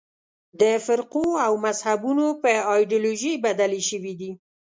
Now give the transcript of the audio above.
د فرقو او مذهبونو په ایدیالوژۍ بدلې شوې دي.